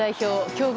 強豪